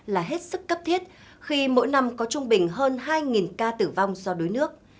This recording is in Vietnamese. là hết sức cấp thiết khi mỗi năm có trung bình hơn hai ca tử vong do đuối nước